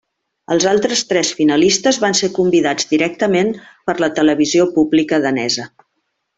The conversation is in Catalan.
Els altres tres finalistes van ser convidats directament per la televisió pública danesa.